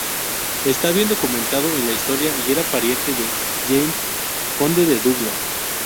Está bien documentado en la historia y era pariente de James, conde de Douglas.